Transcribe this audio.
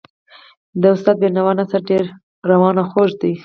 د استاد د بینوا نثر ډېر روان او خوږ دی.